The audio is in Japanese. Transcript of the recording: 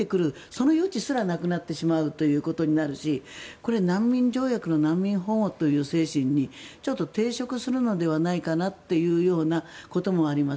その余地すらなくなってしまうということになるしこれは難民条約の難民保護という精神にちょっと抵触するのではないかなというようなこともあります。